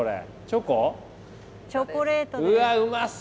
チョコレートです。